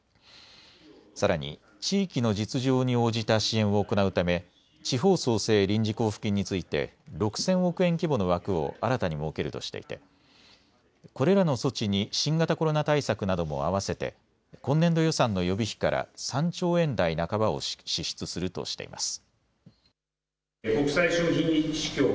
さらに地域の実情に応じた支援を行うため地方創生臨時交付金について６０００億円規模の枠を新たに設けるとしていてこれらの措置に新型コロナ対策なども合わせて今年度予算の予備費から３兆円台半ばを支出するとしています。